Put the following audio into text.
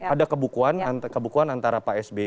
ada kebukuan antara pak sby